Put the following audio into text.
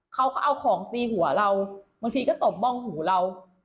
เขาก็เอาของตีหัวเราบางทีก็ตบบ้องหูเรา